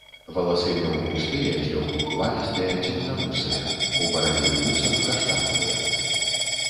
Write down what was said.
Валасы меў густыя, злёгку хвалістыя, цёмна-русыя, у барадзе і вусах каштанавыя.